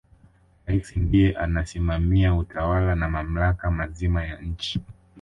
rais ndiye anasimamia utawala na mamlaka mazima ya nchi